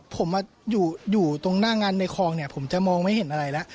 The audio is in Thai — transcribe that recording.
ผมมาอยู่ตรงหน้างานในคลองเนี่ยผมจะมองไม่เห็นอะไรแล้ว